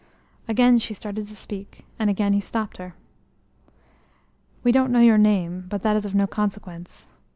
Again she started to speak, and again he stopped her. "We don't know your name, but that is of no consequence.